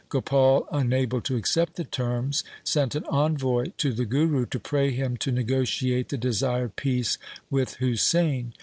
Gopal, unable to accept the terms, sent an envoy to the Guru to pray him to negotiate the desired peace with Husain.